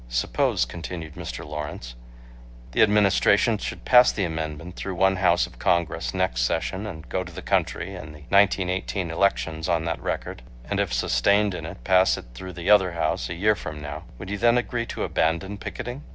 "Suppose," continued Mr. Lawrence, "the Administration should pass the amendment through one house of Congress next session and go to the country in the 1918 elections on that record and if sustained in it, pass it through the other house a year from now. Would you then agree to abandon picketing?"